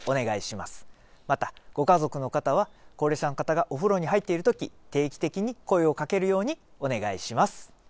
また、ご家族の方は、高齢者の方がお風呂に入っているとき、定期的に声をかけるようにお願いします。